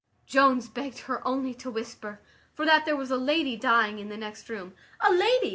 Jones begged her only to whisper, for that there was a lady dying in the next room. "A lady!"